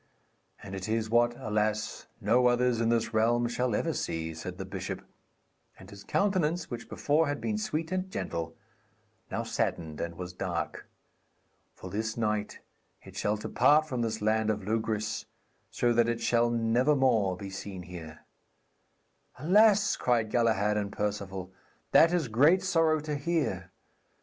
'And it is what, alas, no others in this realm shall ever see,' said the bishop; and his countenance, which before had been sweet and gentle, now saddened and was dark. 'For this night it shall depart from this land of Logris, so that it shall never more be seen here. 'Alas,' cried Galahad and Perceval, 'that is great sorrow to hear.